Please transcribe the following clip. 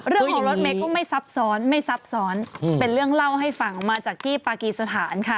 เรื่องรถเม็กต์ก็ไม่ซับซ้อนเป็นเรื่องเล่าให้ฝังมาจากที่ปากกีศาษณณค่ะ